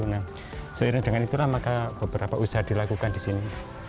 nah seiring dengan itulah maka beberapa usaha dilakukan disini